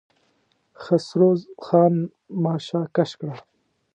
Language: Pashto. خسرو خان ماشه کش کړه.